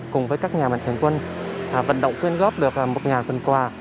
cùng với các nhà mạnh thường quân vận động quyên góp được một phần quà